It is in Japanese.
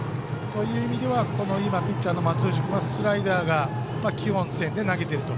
そういう意味では今、ピッチャーの松藤君はスライダーが基本線で投げてると。